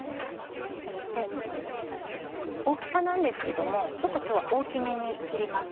そして大きさなんですけどもちょっと今日は大きめに切ります。